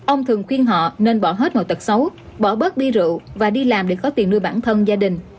ông thường khuyên họ nên bỏ hết mọi tật xấu bỏ bớt đi rượu và đi làm để có tiền nuôi bản thân gia đình